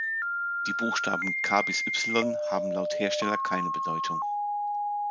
Die Buchstaben „K-Y“ haben laut Hersteller keine Bedeutung.